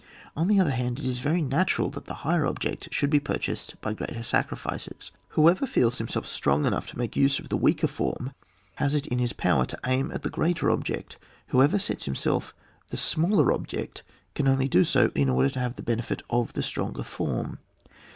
On the other hand, it is very natural that the higher object should be purchased by greater sacrifices. Whoever feels himself strong enough to make use of the weaker form has it in his power to aim at the greater object ; whoever sets before himself the smaller object can only do so in order to have the benefit of the stronger form.